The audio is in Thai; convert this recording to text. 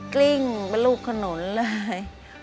กลิ้งเป็นลูกขนุนเลย